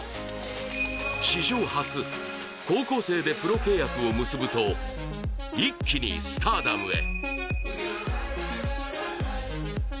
史上初、高校生でプロ契約を結ぶと一気にスターダムへ。